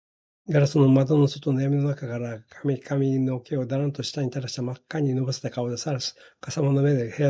ガラス窓の外のやみの中から、髪かみの毛をダランと下にたらし、まっかにのぼせた顔で、さかさまの目で、部屋の中のようすをジロジロとながめています。